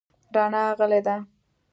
رڼا غلې ده .